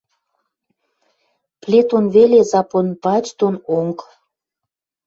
Плетон веле запон пач дон онг.